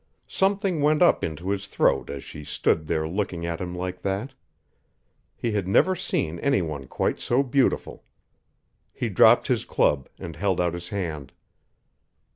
Something went up into his throat as she stood there looking at him like that. He had never seen any one quite so beautiful. He dropped his club, and held out his hand.